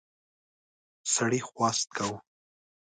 سړي خواست کاوه.